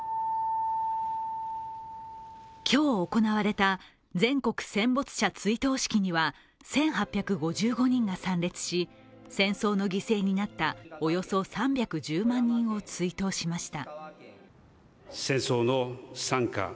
今日行われた全国戦没者追悼式には１８５５人が参列し、戦争の犠牲になったおよそ３１０万人を追悼しました。